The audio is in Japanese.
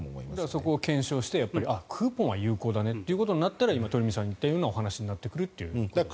そこは検証してクーポンは有効だねとなったら今、鳥海さんが言ったようなお話になってくるということですね。